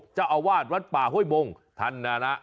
เจ้าอาวาสวัดป่าห้วยบงท่านนะนะ